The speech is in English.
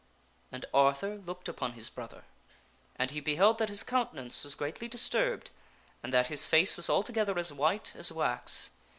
And Arthur looked upon his brother and he beheld that his countenance was greatly disturbed, and that his face was altogether as white as wax.